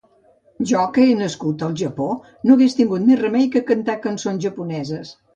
Jo que he nascut al Japó, no hagués tingut més remei que cantar cançons japoneses.